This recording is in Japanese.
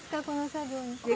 この作業の。